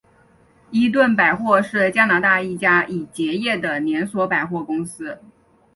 伊顿百货是加拿大一家已结业的连锁百货公司。